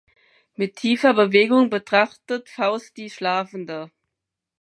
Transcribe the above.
Mit tiefer Bewegung betrachtet Faust die Schlafende.